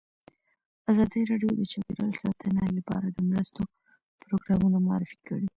ازادي راډیو د چاپیریال ساتنه لپاره د مرستو پروګرامونه معرفي کړي.